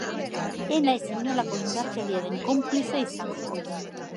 Ez naiz inolako indarkeriaren konplize izango.